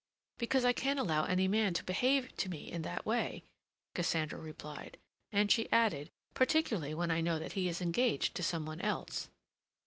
"Because I can't allow any man to behave to me in that way," Cassandra replied, and she added, "particularly when I know that he is engaged to some one else."